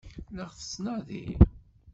La ɣ-tettnadi?